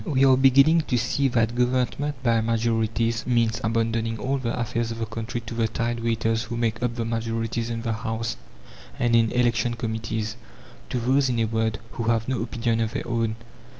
We are beginning to see that government by majorities means abandoning all the affairs of the country to the tide waiters who make up the majorities in the House and in election committees; to those, in a word, who have no opinion of their own.